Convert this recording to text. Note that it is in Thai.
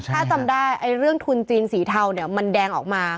ถ้าจำได้เรื่องทุนจีนสีเทาเนี่ยมันแดงออกมา